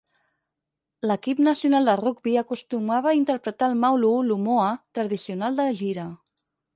L'equip nacional de rugbi acostumava a interpretar el "Maulu'ulu Moa" tradicional de gira.